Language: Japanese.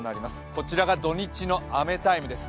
こちらが土日の雨ＴＩＭＥです。